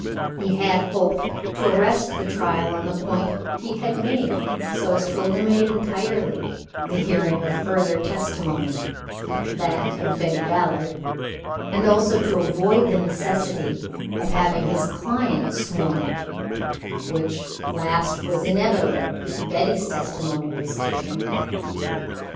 He had hoped to arrest the trial on the point he had made so as to eliminate entirely the hearing of further testimony, that of Betty Ballard, and also to avoid the necessity of having his client sworn, which last was inevitable if Betty's testimony was taken.